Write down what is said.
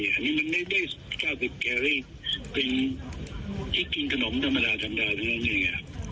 อันนี้มันได้๙๐แคลรี่เป็นที่กินขนมธรรมดาธรรมดานั่นเนี่ย